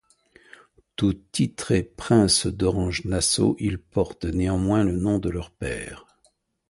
Tous titrés princes d’Orange-Nassau, ils portent néanmoins le nom de leur père.